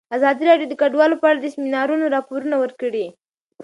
ازادي راډیو د کډوال په اړه د سیمینارونو راپورونه ورکړي.